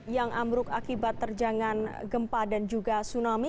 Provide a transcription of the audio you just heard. yang ambruk akibat terjangan gempa dan juga tsunami